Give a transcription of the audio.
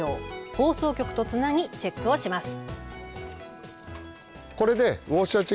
放送局とつなぎチェックをします。